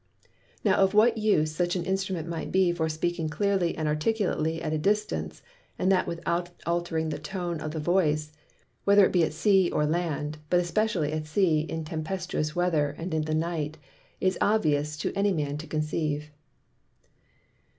Now of what use such an Instrument might be for speaking clearly and articulately at a distance (and that without altering the Tone of the Voice) whether it be at Sea or at Land (but especially at Sea in tempestuous Weather and in the Night) is obvious to any Man to conceive.